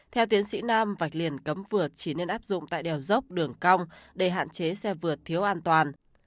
theo tiến sĩ nam vạch liền cấm vượt chỉ nên áp dụng tại đèo dốc đường cong để hạn chế xe vượt thiếu an toàn